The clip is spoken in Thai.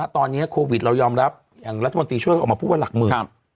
ตอนนี้โควิดเรายอมรับอย่างรัฐมนตรีช่วยออกมาพูดว่าหลักหมื่น